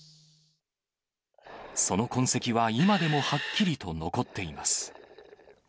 その痕跡は今でもはっきりと残っています。